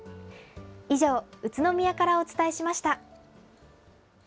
以上、宇都宮からお伝えしました。